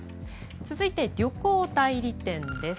続いて、旅行代理店です。